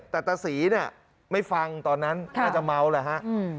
แต่ตะศรีไม่ฟังตอนนั้นอาจจะเมาเลยฮะ